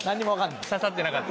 刺さってなかった。